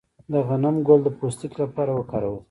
د غنم ګل د پوستکي لپاره وکاروئ